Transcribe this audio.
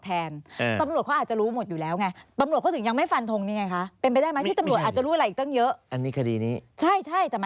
คือตำรวจอาจจะพูดแทนผู้เสียหายที่แจ้งความนิชา